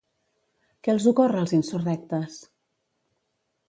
Què els ocorre als insurrectes?